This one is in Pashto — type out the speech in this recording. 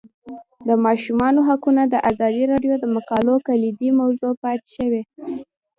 د ماشومانو حقونه د ازادي راډیو د مقالو کلیدي موضوع پاتې شوی.